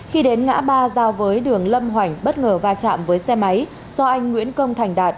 khi đến ngã ba giao với đường lâm hoành bất ngờ va chạm với xe máy do anh nguyễn công thành đạt